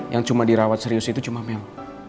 yang cuma dirawat serius itu cuma mel